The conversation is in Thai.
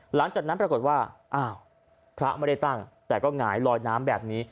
หลังจากนั้นปรากฏว่าอ้าวพระไม่ได้ตั้งแต่ก็หงายลอยน้ำแบบนี้